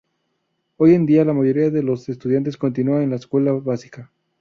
Hoy en día, la mayoría de los estudiantes continúan en la escuela básica.